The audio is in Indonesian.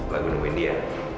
lagu nemuin dia